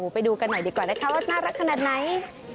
ไปดูกันหน่อยดีกว่านะคะว่าน่ารักขนาดไหน